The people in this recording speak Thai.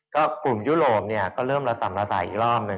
ก็กลุ่มยุโรปเนี่ยก็เริ่มระส่ำระสายอีกรอบหนึ่ง